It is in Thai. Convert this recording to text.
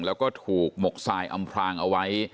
แล้วก็ถูกหมกทรายอำพรางเอาไว้